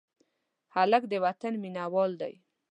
هلک د وطن مینه وال دی.